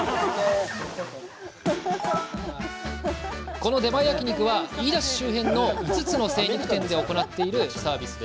この出前焼肉は飯田市周辺の５つの精肉店で行っているサービス。